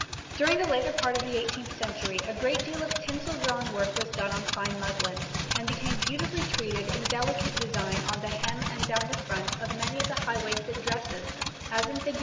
During the later part of the 18th century, a great deal of tinsel drawn work was done on fine muslin, and became beautifully treated in delicate design on the hem and down the front of many of the high waisted dresses as in Fig.